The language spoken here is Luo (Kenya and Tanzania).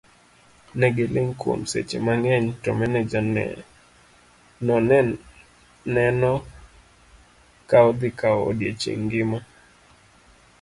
Ne giling' kuom seche mangeny, to maneja no neno ka odhi kawo odiochieng' ngima.